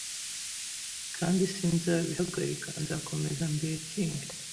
kandi sinzabihagarika nzakomeza mbetinge